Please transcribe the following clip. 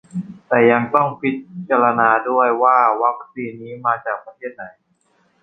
แต่ยังต้องพิจารณาด้วยว่าวัคซีนนี้มาจากประเทศไหน